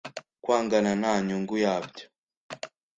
kwangana ntanyungu yabyo.